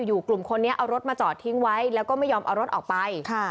อยู่กลุ่มคนนี้เอารถมาจอดทิ้งไว้แล้วก็ไม่ยอมเอารถออกไป